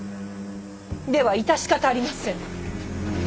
では致し方ありません。